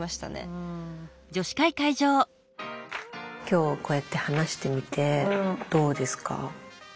今日こうやって話してみてどうですか？